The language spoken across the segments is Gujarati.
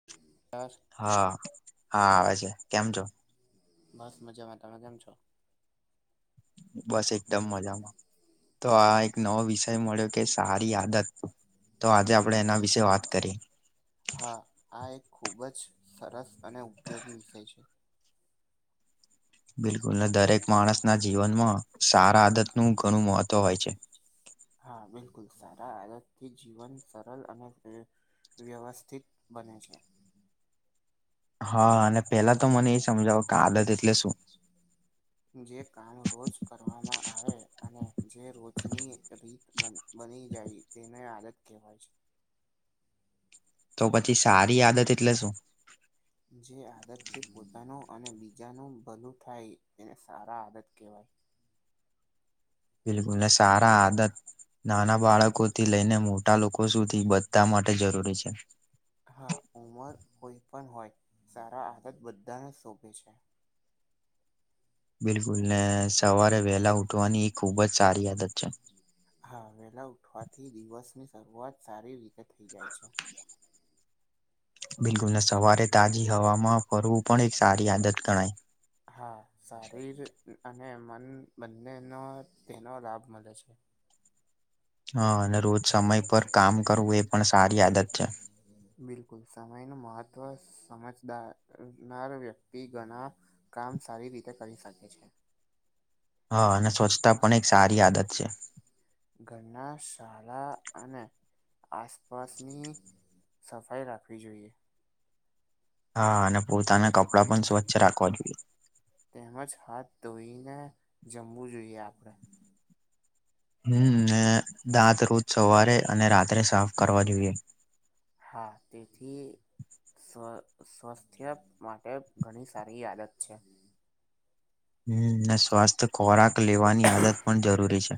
[unintelligible] હા, હા આવે છે, કેમ છો? બસ મજામાં, તમે કેમ છો? બસ એકદમ મજામાં. તો આ એક નવો વિષય મળ્યો કે સારી આદત તો આજે આપણે એના વિશેે વાત કરીએ. હા આ એક ખૂબ જ સરસ અને ઉપયોગી વિષય છે. બિલકુલને દરેક માણસ ના જીવનમાં સારા આદત નું ઘણું મહત્વ હોય છે. હા બિલકુલ સારા આદતથી જીવન સરલ અને વ્યવસ્થિત બને છે. હા અને પેલા તો મને એ સમજાવો કે આદત એટલે શું? જે કામ રોજ કરવામાં આવે અને જે રોજની રીત બને બની જાય તેને આદત કહેવાય છે. તો પછી સારી આદત એટલે શું? જે આદતથી પોતાનું અને બીજાનું ભલું થાય તેને સારા આદત કહેવાય. બિલકુલ ને સારા આદત નાના બાળકો થી લઈને મોટા લોકો સુધી બ ત માટે જરૂરી છે હા ઉંમર કોઈ પણ હોય સારા આદત બધાને શોભે છે બિલકુલ ને સવારે વહેલા ઉઠવાની એ ખુબ જ સારી આદત છે. હા વેલા ઉઠવાથી દિવસની શરૂઆત સારી રીતે થઇ જાય છે. બિલકુલ ને સવારે તાજી હવામાં ફરવું પણ એક સારી આદત ગણાય. હા શારીર અને મન બંનેનો તેનો લાભ મળે છે. હા અને રોજ સમય પર કામ કરવું એ પણ સારી આદત છે. બિલકુલ સમય નું મહત્વ સમજદારનાર વ્યક્તિ ગણા કામ સારી રીતે કરી શકે છે હા અને સ્વચ્છતા પણ એક સારી આદત છે ઘરના શાળા અને આસપાસની સફાઈ રાખવી જોઈએ હા અને પોતાના કપડાં પણ સ્વચ્છ રાખવા જોઈએ તેમજ હાથ ધોઈને જમવું જોઈએ આપડ હમ દાંત રોજ સવારે અને રાત્રે સાફ કરવા જોઈએ હા તેથી સ્વાસ્થ્ય માટે ઘણી સારી આદત છે હમ ને સ્વાસ્થ્ય ખોરાક લેવાની આદત પણ જરૂરી છે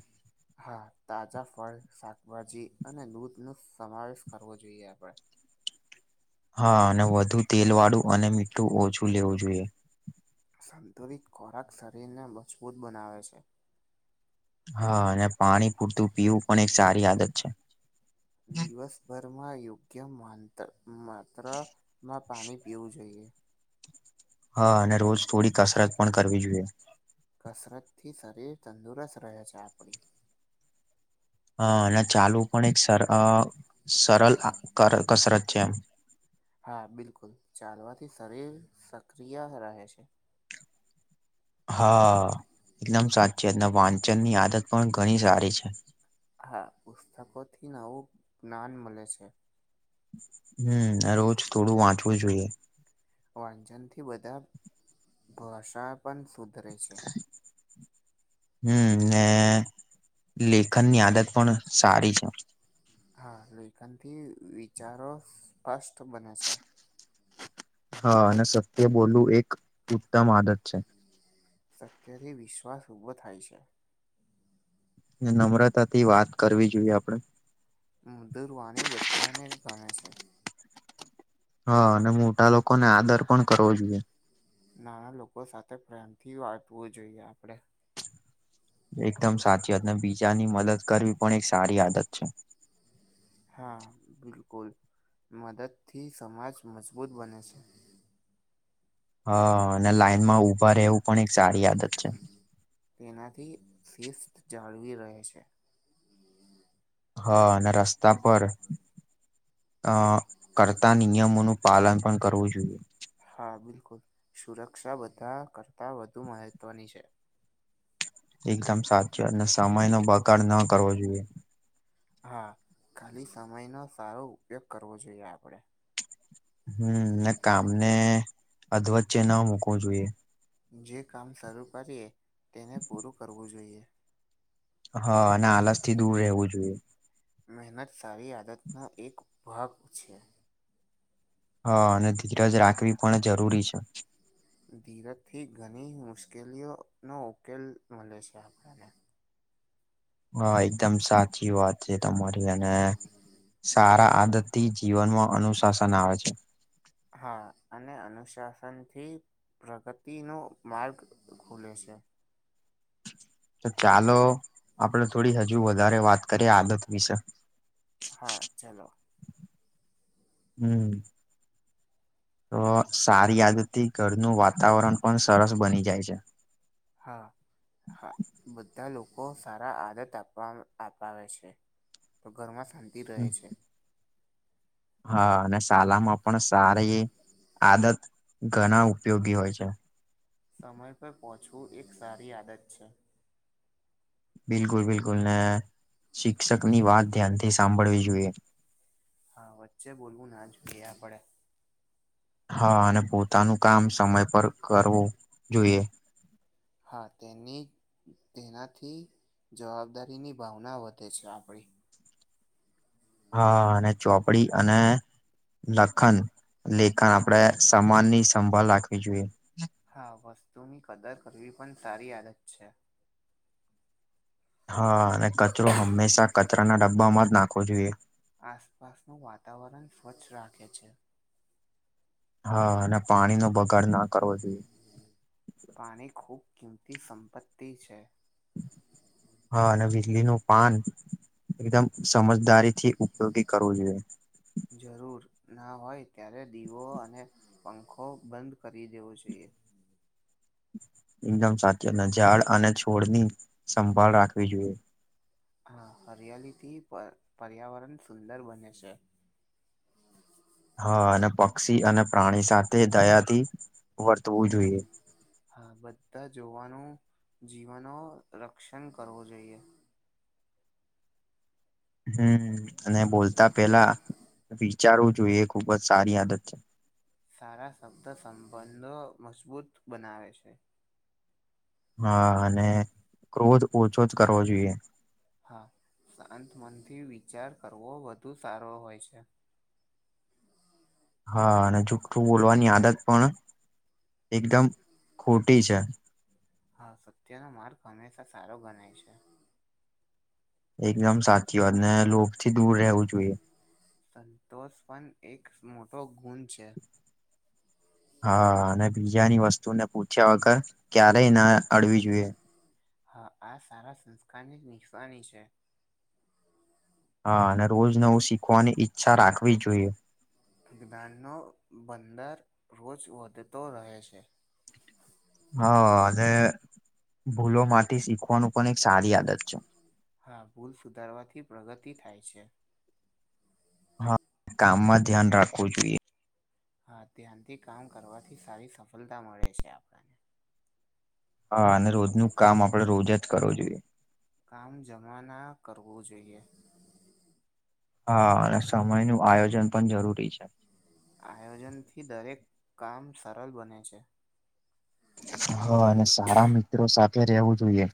હા તાજા ફળ શાકભાજી અને દૂધ નો સમાવેશ કરવો જોઈએ આપણેે હા અને વધુ તેલ વાળું અને મીઠું ઓછું લેવું જોઈએ સંતુલિત ખોરાક શરીરને મજબૂત બનાવે છે હા અને પાણી પૂરતું પીવું પણ એક સારી આદત છે દિવસભરમાં યોગ્ય માત્ર માં પાણી પીવું જોઈએ હા અને રોજ થોડી કસરત પણ કરવી જોઈએ કસરતથી શરીર તંદુરસ્ત રહે છે આપણી હ અને ચાલવું પણ એક સર સરલ કસરત છે એમ હા બિલકુલ ચાલવાથી શરીર સક્રિય રહે છે હા એકદમ સાચી એ વાંચન ની આદત પણ ઘણી સારી છે હા પુસ્તકો થી નવું જ્ઞાન મળે છે હમ રોજ થોડું વાંચવું જોઈએ વાંચન થી બધા ભાષા પણ સુધરે છે હમ ને લેખનની આદત પણ સારી છે હા લેખન થી વિચારો સ્પષ્ટ બને છે હા અને સત્ય બોલવું એક ઉત્તમ આદત છે સત્ય થી વિશ્વાસ ઉઊભો થાય છે નમ્રતાથી વાત કરવી જોઈએ આપડે મધુર વાણી બધાને ગમે છે હા અને મોટા લોકોને આદર પણ કરવો જોઈએ નાના લોકો સાથે પ્રેમ થી વાંચવું જોઈએ આપડે એકદમ સાચી વાત ને બીજાની મદદ કરવી પણ એક સારી આદત છે હા બિલકુલ મદદ થી સમાજ મજબૂત બને છે હ અને લાાઈનમાં ઉભા એવું તેનાથી શિસ્ત જાળવી રહે છે હા અને રસ્તા પર અ કરતા નિયમોનું પાલન પણ કરવું જોઈએ હા બિલકુલ સુરક્ષા બધા કરતાં વધુ મહત્વની છે એકદમ સાચું અને સમય નો બગાડ ન કરવો જોઈએ હા ખાલી સમયનો સારો ઉપયોગ કરવો જોઈએ આપણેે હમ કામને અધ્વચ્ચે ન મુૂકવું જોઈએ. જે કામ શરૂ કરીએ, તેને પૂરું કરવું જોઈએ. હા અને આલસ થી દૂર રહેવું જોઈએ. મહેનત સારી આદતનો એક ભાગ છે હા અને ધીરજ રાખવી પણ જરૂરી છે ધીરજથી ઘણી મુશ્કેલીઓનોો ઉકેલ મળે છે આપણને હા એકદમ સાચી વાત જે તમારી અને સારા આદત થી જીવનમાં અનુશાસન આવે છે હા અને અનુશાસનથી પ્રગતિ નો માર્ગ ખુલે છે તો ચાલો આપડ થોડી હજુ વધારે વાત કરીએ આદત વિશે હા ચાલો હમ્મ તો સારી આદતથી ઘરનું વાતાવરણ પણ સરસ બની જાય છે. હા, હા બધા લોકો સારા આદત આપવા અપાવે છે. તો ઘરમાં શાંતિ રહે છે. હા અને શાલામાં પણ સારી આદત ઘણા ઉપયોગી હોય છે. સમય પર પહોંચવું એક સારી આદત છે. બિલકુલ બિલકુલ ને, શિક્ષક ની વાત ધ્યાનથી સાંભળવી જોઈએ. હા વચ્ચે બોલવું ના જો ગયા પડે. હા અને પોતાનું કામ સમય પર કરવું જોઈએ. હા તેની તેનાથી જવાબદારી ની ભાવના વધે છે આપણી. હા અને ચોપડી અને લખન લેખન આપડે સમાન ની સંભાળ રાખવી જોઈએ. હા વસ્તુની કદર કરવી પણ સારી આદત છે. હા અને કચરો હંમેશા કચરા ના ડબ્બામાં જ નાખવો જોઈએ. આસપાસનું વાતાવરણ સ્વચ્છ રાખે છે. હા અને પાણી નો બગાડ ના કરવો જોઈએ. પાણી ખુબ કિંમતી સંપત્તિ છે. હ. [unintelligible] હા અને વીજળી નું પાન એકદમ સમજદારી થી ઉપયોગી કરવું જોઈએ. જરૂર ના હોય ત્યારે દીવો અને પંખો બંધ કરી દેવો જોઈએ. એકદમ સાચી અને ઝાડ અને છોડ ની સંભાળ રાખવી જોઈએ. હા હરિયાળી થી પર પર્યાવરણ સુંદર બને છે. હા અને પક્ષી અને પ્રાણી સાથે દયાથી વર્તવું જોઈએ. હા બધા જોવાનું જીવનો રક્ષણ કરવું જોઈએ. હમ અને બોલતા પેલા વિચારવું જોઈએ એ ખુબ જ સારી આદત સારા શબ્દ સંબંધો મજબૂત બનાવે છે. હા અને ક્રોધ ઓછો જ કરવો જોઈએ. હા શાંત મનથી વિચાર કરવો વધુ સારો હોય છે. હા અને જુઠ્ઠું બોલવાની આદત પણ એકદમ ખોટી છે. હા સત્યનો માર્ગ હંમેશા સારો ગણાય છે. એકદમ સાચી વાત ને લોભ થી દૂર રહેવું જોઈએ. સંતોષ પણ એક મોટો ગુણ છે. હા અને બીજાની વસ્તુ ને પૂછ્યા વગર ક્યારેય ના અડવી જોઈએ. હા આ સારા સંસ્કાર ની જ નિસવાની છે. હા અને રોજ નવું શીખવાની ઈચ્છા રાખવી જોઈએ. બિગાળનો બંદર રોજ વધતો રહે છે. હા અને ભૂલો માથી શીખવાનું પણ એક સારી આદત છે. હા ભૂલ સુધારવાથી પ્રગતિ થાય છે. હા કામમાં ધ્યાન રાખવું જોઈએ. હા ધ્યાનથી કામ કરવાથી સારી સફળતા મળે છે આપણને. હા અને રોજનું કામ આપડે રોજ જ કરવું જોઈએ. કામ જમા ના કરવું જોઈએ. હા અને સમય નું આયોજન પણ જરૂરી છે. આયોજન થી દરેક કામ સરળ બને છે. હા અને સારા મિત્રો સાથે રહેવું જોઈએ.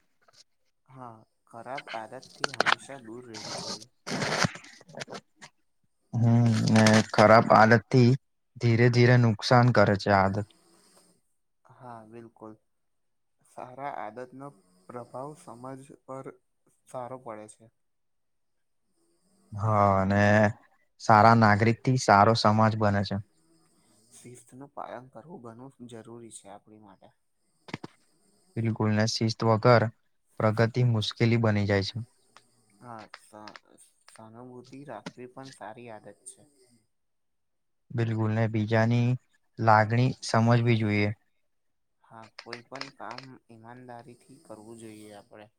હા ખરાબ આદતથી હંમેશા દૂર રહેવું જોઈએ. [inaudible] હમ ને ખરાબ આદત થી ધીરે ધીરે નુકસાન કરે છે આદત. હા બિલકુલ. સારા આદતનો પ્રભાવ સમાજ પર સારો પડે છે. હા અને સારા નાગરિક થી સારો સમાજ બને છે. શિથ નું પાલન કરવું ઘણું જરૂરી છે આપણી માટે. બિલકુલને શિસ્ત વગર પ્રગતિ મુશ્કેલી બની જાય છે. હા સહાનુભૂતિ રાખવી પણ સારી આદત છે. બિલકુલ નને બીજાની લાગણી સમજવી જોઈએ. હા કોઈ પણ કામ ઈમાનદારીથી કરવું જોઈએ આપણેે.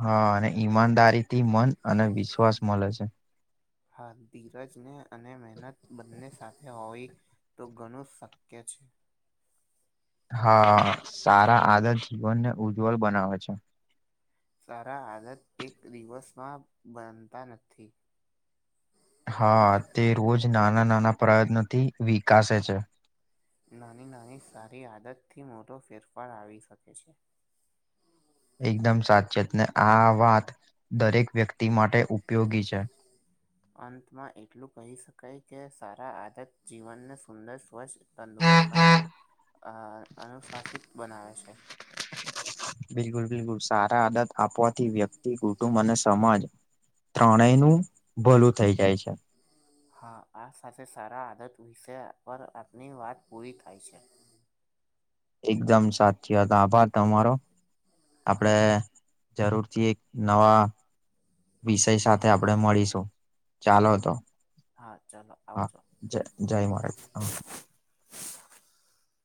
હા અને ઈમાનદારીથી મન અને વિશ્વાસ મળે છે. હા ધીરજને અને મહેનત બંને સાથે હોવી. તો ઘણું શક્ય છે. હા સારા આદર જીવનને ઉજ્જવલ બનાવે છે. સારા આદત એક દિવસમાં બનતા નથી. હા તે રોજ નાના નાના પ્રયત્નોથી વિકસે છે નાની નાની સારી આદતથી મોટો ફેરફાર આવી શકે છે એકદમ સાચીત ને આ વાત દરેક વ્યક્તિ માટે ઉપયોગી છે. [inaudible] અંતમાં એટલું કહી શકાય કે સારા આદત જીવનને સુંદર સ્વચ્છ તંદુરસ્ત અને અનુશાસિત બનાવે છે. બિલકુલ બિલકુલ સારા આદત આપવાથી વ્યક્તિ કુટુંબ અને સમાજ ત્રણેય નું ભલું થઈ જાય છે. હા આ સાથે સારા આદત વિશે પર આપની વાત પૂરી થાય છે. એકદમ સાચી વાત આભાર તમારો. આપડે જરૂરથી એક નવા વિષય સાથે આપડે મળીશું. ચાલો હા તો હા ચલો હા આવજો જય જય મહારાજ હા.